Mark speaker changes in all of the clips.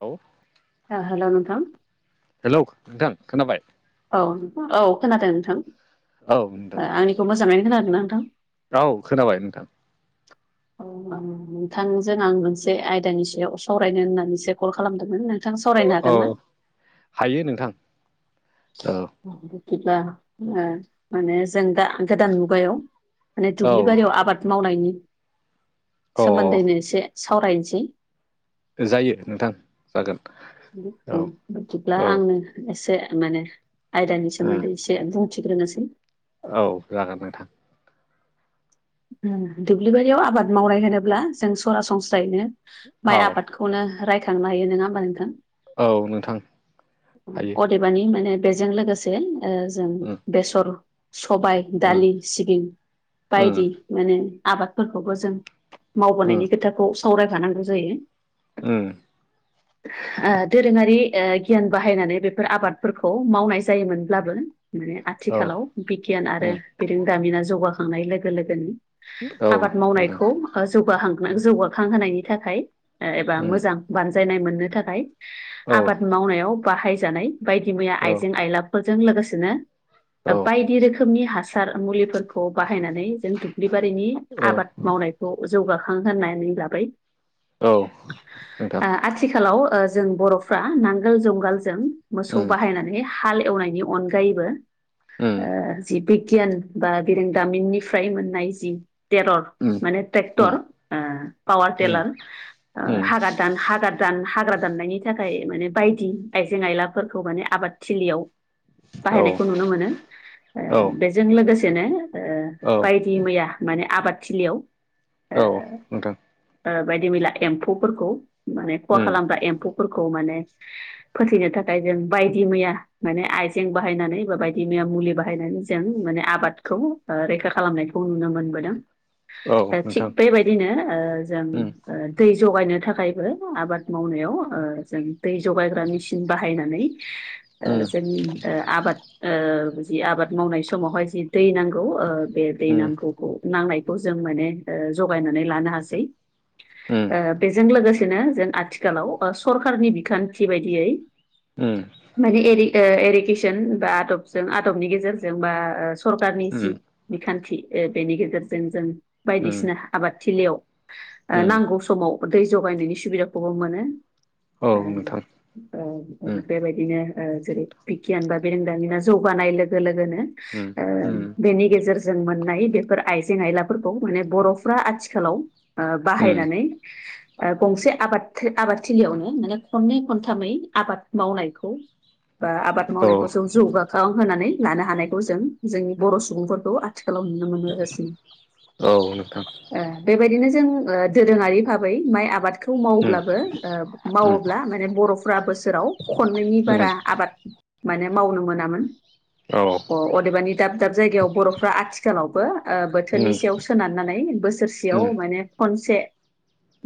Speaker 1: औ
Speaker 2: हेल' नोंथाम
Speaker 1: हेलौ नोंथां खोनाबाय
Speaker 2: औ औ खोनादों नोंथां
Speaker 1: औ नोंथां
Speaker 2: आंनिखौ मोजाङैनो खोनादोंना नोंथां
Speaker 1: औ खोनाबाय नोंथां
Speaker 2: [inaudible] औ नोंथांजों आं मोनसे आयदानि सायाव सावरायनो होननानैसो कल खालामदोंमोन नोंथां सरायनो हागोन ना
Speaker 1: औ हायो नोंथां औ
Speaker 2: बिबा माने जों गोदान मुगायाव माने दुब्लि
Speaker 1: औ
Speaker 2: बारियाव आबाद मावनायनि सोमोन्दैनो
Speaker 1: अ
Speaker 2: एसे सावरायनोसै
Speaker 1: जायो नोंथां जागोन औ
Speaker 2: बिदिब्ला
Speaker 1: औ
Speaker 2: आंो एसे माने आयदानि
Speaker 1: उम
Speaker 2: सोमोन्दै एसे बुंथिग्रोनोसै
Speaker 1: औ जागोन न थां
Speaker 2: दुब्लिबारियाव आबाद मावनाय होनोब्ला जों सरासनस्रायैनो माइ
Speaker 1: औ
Speaker 2: आबादखौनो रायखांनो हायो नङा होमबा नोंथां
Speaker 1: औ नोंथां हायो
Speaker 2: अदेबानि माने बेजों लोगोसे ओ जों
Speaker 1: उम
Speaker 2: बेसर सबाय
Speaker 1: उम
Speaker 2: दालि सिबिं
Speaker 1: उम
Speaker 2: बायदि बिं आबादफोरखौबो जों
Speaker 1: उम
Speaker 2: मावबोनायनि खोथाखौ सावरायफानांगौ जायो
Speaker 1: उम
Speaker 2: [inaudible] ओ दोरोङारि ओ गियान बाहायनानै बेफोर आबादफोरखौ मावनाय जायोमोनब्लाबो माने
Speaker 1: औ
Speaker 2: आथिखालाव बिगियान आरो
Speaker 1: उम
Speaker 2: बिरोंदामिना जौगाखांनाय लोगो लोगोनि
Speaker 1: औ
Speaker 2: आबाद
Speaker 1: नोंथां
Speaker 2: मावनायखौ जौगां जौगाखांहोनायनि थाखाय एबा
Speaker 1: उम
Speaker 2: मोजां बानजायनाय मोननो थाखाय
Speaker 1: औ
Speaker 2: आबाद मावनायाव बाहायजानाय बायदि मैया
Speaker 1: औ
Speaker 2: आइजें आइलाफोरजों लोगोसेनो
Speaker 1: औ
Speaker 2: बायदि रोखोमनि हा सार मुलिफोरखौ बाहायनानै बेबारिनि
Speaker 1: औ
Speaker 2: आबाद मावनायखौ जौगाखां होननानै लाबाय
Speaker 1: औ नोंथां
Speaker 2: आथिखालाव जों बर'फ्रा नांगोल जंगालजों मोसौ
Speaker 1: उम
Speaker 2: बाहायनानै हाल एवनायनि अनगायैबो
Speaker 1: उम
Speaker 2: जिब बिगियान बा गरोंदामिननिफ्राय मोननाय जि तेरर
Speaker 1: उम
Speaker 2: माने ट्रेक्टर
Speaker 1: उम
Speaker 2: पावार
Speaker 1: उम
Speaker 2: टेलार
Speaker 1: उम
Speaker 2: हागार दान हागार दान दान हाग्रा दाननायनि थाखाय माने बायदि आइजें आयलाफोरखौ माने आबाद थिलियाव
Speaker 1: औ
Speaker 2: बाहायनायखौ नुनो मोनो
Speaker 1: औ
Speaker 2: बेजों लोगोसेनो
Speaker 1: औ
Speaker 2: बायदि मैया माने आबाद थलियाव
Speaker 1: औ नोंथां
Speaker 2: बायदि मैला एम्फौफोरखौ माने खहा
Speaker 1: उम
Speaker 2: खालामग्रा एम्फौ फोरखौ माने फोथैनो थाखाय जों बायदि मैया माने आइजें बाहायनानै बा बायदि मैया मुलि बाहायनानै जों माने आबादखौ रैखा खालामनायखौ नुनो मोनो
Speaker 1: औ
Speaker 2: दा
Speaker 1: नोंथां
Speaker 2: थिग बेबायदिनो ओ जों
Speaker 1: उम
Speaker 2: ओ दै जगायनो थाखायबो आबाद मावनायाव जों दै जगायग्रा मिसिन बाहायनानै
Speaker 1: उम
Speaker 2: जों आबाद जि आबाद मावनाय समावहाय जि दै नांगौ बे दै
Speaker 1: उम
Speaker 2: नांगौखौ नांनायखौ जों माने जगायनानै लानो हासै
Speaker 1: उम
Speaker 2: बेजों लोगोसे बिदिनो जों आथिखालाव सरखारनि बिखान्थि बायदियै
Speaker 1: उम
Speaker 2: माने एरि एरिगेसन बा आदबजों आदबनि गेजेरजों बा ओ सरखारारनि जि
Speaker 1: उम
Speaker 2: बिखान्थि बेनि गेजेरजों जों
Speaker 1: उम
Speaker 2: बायदिसिना आबादथिलियाव
Speaker 1: उम
Speaker 2: नांगौ समाव दै जगायनायनि सुबिदाखौबो मोनो
Speaker 1: औ नोंथां उम
Speaker 2: बेबायदिनो जेरै बिगियान बा बिरोंदामिना जौगानाय लोगो लोगोनो
Speaker 1: उम उम
Speaker 2: बेनि गेजेर जों मोननाय बेफोर आइजें आयलाफोरखौ माने बर'फ्रा आथिखालाव
Speaker 1: उम
Speaker 2: बाहायनानै गंसे आबाद आबादथिलियावनो माने खननै खनथामै आबाद मावनायखौ बा आबाद
Speaker 1: औ
Speaker 2: मावनायखौ जों जौगाखां होननानै लानो हानायखौ जों जोंनि बर' सुबुंफोरखौ आथिखालाव नुनो मोनबोगासिनो
Speaker 1: औ नोंथां
Speaker 2: ओ बेबायदिनो जों दोरोङारि भाबै माइ आबादखो खौ
Speaker 1: उम
Speaker 2: मावोवब्लाबो
Speaker 1: उम
Speaker 2: मावोब्ला माने बर'फ्रा बोसोराव खननैनि
Speaker 1: उम
Speaker 2: बारा आबाद माने मावनो मोनामोन
Speaker 1: औ
Speaker 2: अ अदेबानि दाब दाब जायगायाव बर'फ्रा आथिखालावबो बोथोर
Speaker 1: उम उम औ उम
Speaker 2: थोरनि सायाव सोनारनानै
Speaker 1: उम
Speaker 2: बोसोरसेयाव माने खनसे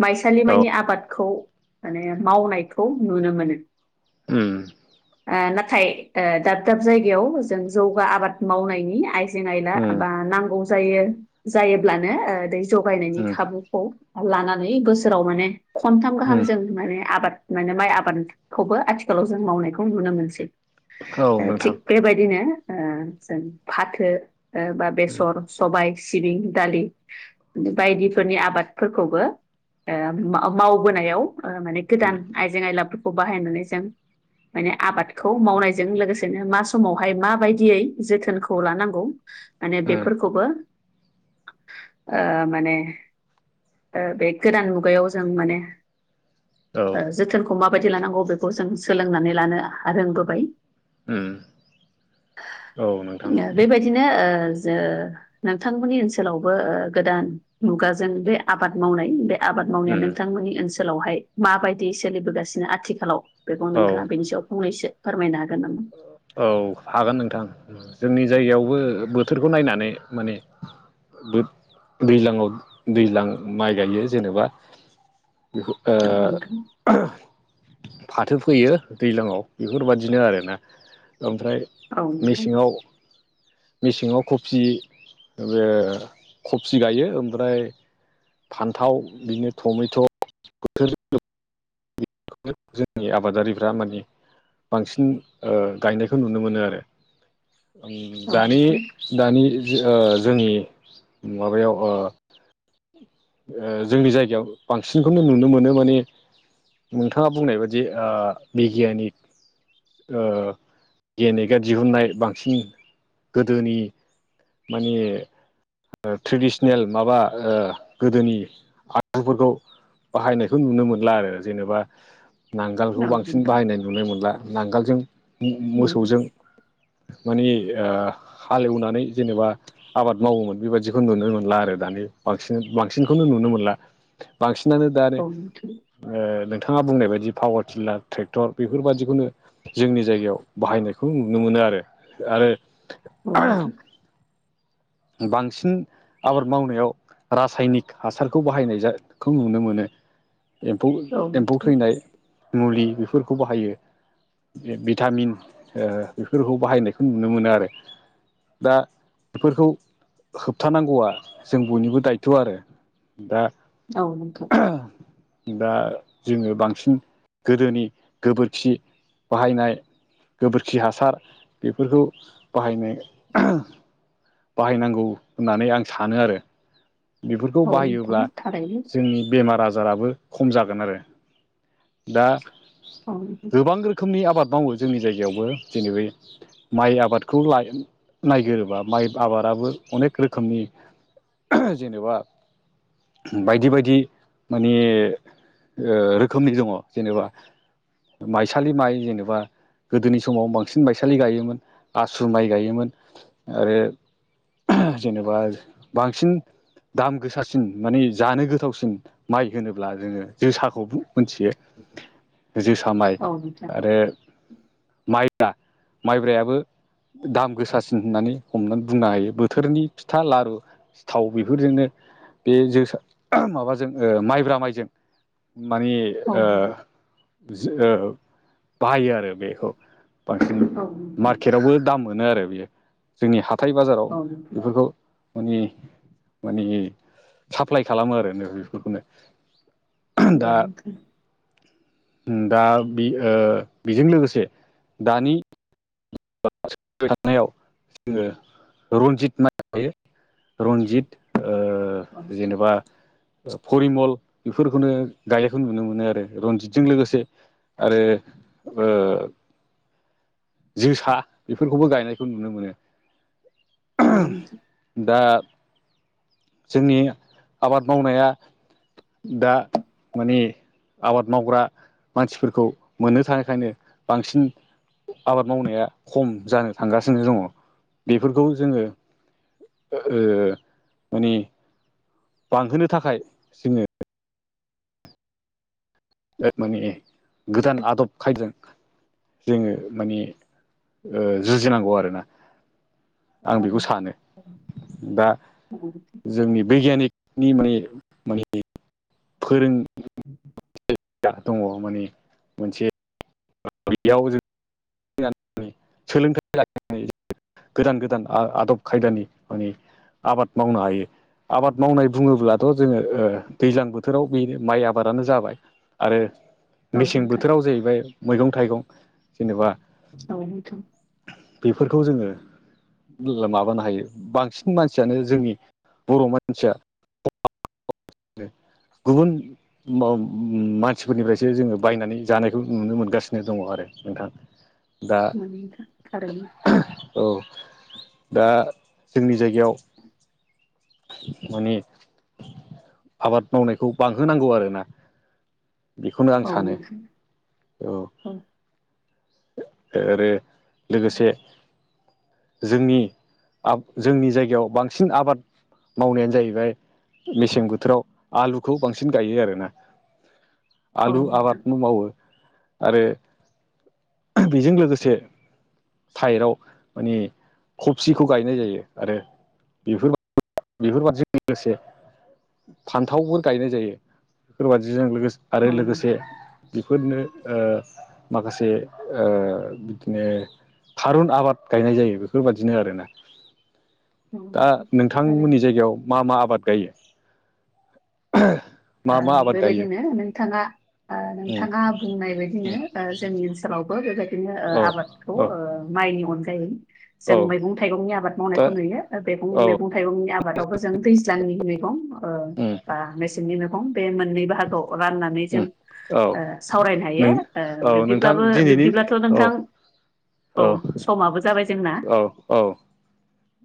Speaker 2: माइसालिमानि आबादखौ माने मावनायखौ नुनो मोनो
Speaker 1: उम
Speaker 2: नाथाय दाब दाब जायगायाव जों जौगा आबाद मावनायनि आइ नायला बा
Speaker 1: उम
Speaker 2: नांगौ जायो जायोब्लानो दै जगायनायनि खाबुखौ लानानै बोसोराव माने खनथाम गाहाम
Speaker 1: उम
Speaker 2: जों माने आबाद माने माइ आबादखौबो आथिखालाव जों मावनायखौ नुनो मोनसै।
Speaker 1: औ
Speaker 2: ओ थिग
Speaker 1: नोंथां
Speaker 2: बेबायदिनो ओ जों फाथो बा
Speaker 1: उम
Speaker 2: बेसर सबाय सिबिं दालि बायदिफोरनि आबादफोरखौबो ओ मा-मावबोनायाव माने गोदान
Speaker 1: उम
Speaker 2: आइजें आयलाफोरखौ बाहायनानै जों माने आबादखौ मावनायजों लोगोसेनो मा समावहाय माबायदियै जोथोनखौ लानांगौ माने
Speaker 1: उम
Speaker 2: बेफोरखौबो ओ माने ओ बे गोदान मुगायाव जों माने
Speaker 1: औ
Speaker 2: ओ जोथोनखौ माबायदि लानांगौ बेखौ जों सोलोंनानै लानो रोंबोबाय।
Speaker 1: उम औ नोंथां
Speaker 2: ओ बेबायदिनो ओ जो नोंथांमोननि ओनसोलावबो ओ गोदान मुगाजों बे आबाद मावनाय बे आबाद मावनाया
Speaker 1: उम
Speaker 2: नोंथांमोननि ओनसोलाव हाय माबायदि सोलिबोगासिनो आथिखालाव? बेखौ
Speaker 1: औ
Speaker 2: नोंथाङा बेनि सायाव फंनैसो फोरम
Speaker 1: औ हागोन नोंथां। जोंनि जायगायावबो बोथोरखौ नायनानै माने दै-दैज्लाङाव दैज्लां माइ गायो जेनेबा बिखु ओ
Speaker 2: औ नोंथां
Speaker 1: फाथो फोयो दैज्लांयाव बेफोर बायदिनो आरोना। ओमफ्राय
Speaker 2: औ नोंथां
Speaker 1: मेसेङाव मेसेङाव खफि बे खफि गायो ओमफ्राय फान्थाव बिदिनो टमेट बोथोर बे [inaudible] जोंनि आबादारिफ्रा माने बांसिन ओ गायनायखौ नुनो मोनो आरो।
Speaker 2: औ
Speaker 1: दानि
Speaker 2: नोंथां
Speaker 1: दानि ओ जोंनि माबायाव ओ ओ जोंनि जायगायाव बांसिनखौनो नुनो मोनो माने नोंथाङा बुंनाय बायदि ओ बिगियानिक ओ गेनेगा दिहुननाय बांसिन गोदोनि माने ट्रेडिसनेल माबा ओ गोदोनि हागजुफोरखौ बाहायनायखौ नुनो मोनला आरो जेनेबा नांगोलखौ
Speaker 2: औ
Speaker 1: बांसिन
Speaker 2: नोंथां
Speaker 1: बाहायनाय नुनो मोनला नांगोलजों मोसौजों माने ओ हालेवनानै जेनेबा आबाद मावोमोन। बेबायदिखौ नुनो मोनला आरो दानि बांसिन बांसिनखौनो नुनो मोनला बांसिन नानो दानो ओ नोंथाङा बुंनाय बायदि पावार टिलार ट्रेक्टर बेफोर बायदिखौनो जोंनि जायगायाव बाहायनायखौ नुनो मोनो आरो आरो
Speaker 2: औ थे
Speaker 1: बांसिन आबाद मावनायाव रासायनिक हासारखौ बाहायनायजा खौ नुनो मोनो। एम्फौ एम्फौ थैनाय मुलि बेफोरखौ बाहायो। भिटामिन ओ बेफोरखौ बाहायनायखौ नुनो मोनो आरो। दा बेफोरखौ होबथानांगौआ जों बयनिबो दायथ आरो दा दा जोङो बांसिन गोदोनि गोबोरखि बाहायनाय गोबोरखि हासार बेफोरखौ बाहायनाय बाहायनांगौ होननानै आं सानो आरो। बेफोरखौ बाहायोब्ला जोंनि बेमार आजाराबो खम जागोन आरो। दा गोबां रोखोमनि आबाद मावो। जोंनि जायगायावबो जोंनि बै माइ आबादखौ लाय नायगोरोबा माइ आबादाबो अनेक रोखोमनि जेनेबा बायदि बायदि माने ओ रो खोमनि दङ जेनेबा माइसालि माइ जेन'बा गोदोनि समाव बांसिन माइसालि गायोमोन आसु माइ गायोमोन आरो जेनेबा बांसिन दाम गोसासिन माने जानो गोथावसिन माइ होनोब्ला जोङो जोसाखौ बु मिथियो जोसा माइ आरो माइ दा माइब्रायाबो दाम गोसासिन होननानै हमनानै बुंनो हायो बोथोरनि फिथा लारु सिथाव बेफोरजोंनो बे जोसा माबाजों ओ माइब्रा माइजों मानि ओ जो ओ बायो आरो। आरो बेखौ बांसिन मार्केटआवबो दाम मोनो आरो बेयो जोंनि हा थाय बाजाराव बेफोरखौ माने माने साप्लाय खालामो आरो बेफोरखौनो।
Speaker 2: औे
Speaker 1: ओम दा बे-ओ-बेजों लोगोसे दानि [unintelligible] जोङो रन्जित माइखौ गायो। रन्जित ओ जेनेबा फरिमल बेफोरखौनो गायनायखौ नुनो मोनो आरो रनजितजों लोगोसे आरो ओ
Speaker 2: [inaudible]
Speaker 1: जोसा बेफोरखौबो गायनायखौ नुनो मोनो। दा जोंनि आबाद मावनाया दा माने आबाद मावग्रा मानसिफोरखौ मोननो थांयिखायनो बांसिन आबाद मावनाया खम जानो थांगासिनो दङ बेफोरखौ जोङो ओ माने बांहोनो थाखाय जोङो माने गोदान आदब खायदों जोङो माने ओ जुजिनांगौ आरोना। आं बेखौ सानो दा जोंनि बैगियानिक नि माने माने फोरों
Speaker 2: [inaudible]
Speaker 1: दङ माने मोनसे बेयाव जों [unintelligible] सोलोंथाइ लाखिनानै गोदान गोदान आदब खायदानि माने आबाद मावनो हायो। आबाद मावनाय बुङोब्लाथ' जोङो ओ दैज्लां बोथोराव बे माइ आबादानो जाबाय आरो मेसें बोथोराव जाहैबाय मैगं थाइगं जेनेबा
Speaker 2: औ नोंथां।
Speaker 1: बेफोरखौ जोङो माबानो हायो बांसिन मानसियानो जोंनि बर' मानसिया [inaudible] गुबुन मा-मानसिफोरनिफ्रायसो जोङो बायनानै जानायखौ नुनो मोनगासिनो दङ आरो। नोंथां दा औ दा जोंनि जायगायाव माने आबाद मावनायखौ बांहोनांगौ आरोना। बेखौनो आं सानो औ। आरो लोगोसे जोंनि आ जोंनि जायगायाव बांसिन आबाद मावनायानो जाहैबाय मेसें बोथोराव आलुखौ बांसिन गायो आरोना। आलु आबादबो मावो आरो बेजों लोगोसे साइडाव माने खफिखौ गायनाय जायो आरो बेफोर बेफोरबादिजों लोगोसे फान्थावफोर गायनाय जायो बेफोरबायादिजों लोगोसे आरो लोगोसे बेफोरनो ओ माखासे ओ बिदिनो थारुन आबाद गायनाय जायो, बेफोरबादिनो आरोना। दा नोंथांमोननि जायगायाव मा मा आबाद गायो?
Speaker 2: ओ
Speaker 1: मा मा आबाद गायो
Speaker 2: बेबायदिनो नोंथाङा ओ
Speaker 1: उम
Speaker 2: नोंथाङा बुंनाय
Speaker 1: उम
Speaker 2: बायदिनो ओ जोंनि ओनसोलावबो बेबायदिनो ओ
Speaker 1: औ
Speaker 2: आबादखौ ओ
Speaker 1: औ
Speaker 2: माइनि अन जों
Speaker 1: औ
Speaker 2: मैगं थाइगंनि आबाद
Speaker 1: दा
Speaker 2: मावनायखौ नुयो ओ बे
Speaker 1: औ
Speaker 2: मैगं थाइगंनि आबादावबो जों दैज्लांनि मै मैगं ओ
Speaker 1: उम
Speaker 2: बा मेसेंनि मैगं बे मोननै बाहागोआव राननानै जों
Speaker 1: उम औ
Speaker 2: ओ सावरायनो हायो
Speaker 1: नों
Speaker 2: ओ
Speaker 1: औ नोंथां
Speaker 2: बिब्दिब्लाबो
Speaker 1: दिनैनि
Speaker 2: बिब्दिब्लाथ'
Speaker 1: औ
Speaker 2: नोंथां औ समाबो जाबाय जोंना
Speaker 1: औ औ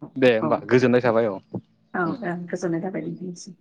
Speaker 2: औ
Speaker 1: दे
Speaker 2: औ
Speaker 1: होमबा गोजोननाय थाबाय औ उम
Speaker 2: ओं गोजोननाय थाबाय नों निसिम।